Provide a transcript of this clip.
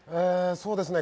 そうですね